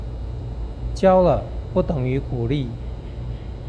教了，不等於鼓勵